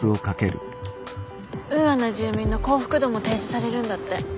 ウーアの住民の幸福度も提示されるんだって。